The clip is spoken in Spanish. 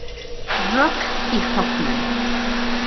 Rock" y "Hawkman".